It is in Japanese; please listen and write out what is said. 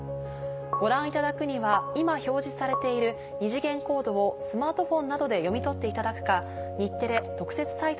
ご覧いただくには今表示されている二次元コードをスマートフォンなどで読み取っていただくか。